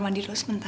kvin apa itu dulunya